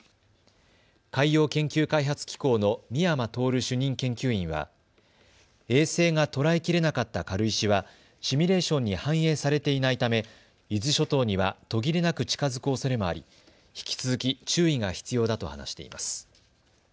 海洋研究開発機構の美山透主任研究員は衛星が捉えきれなかった軽石はシミュレーションに反映されていないため伊豆諸島には途切れなく近づくおそれもあり引き続き注意が必要だと話しています。